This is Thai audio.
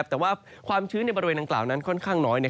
แต่ว่าความชื้นในบริเวณดังกล่าวนั้นค่อนข้างน้อย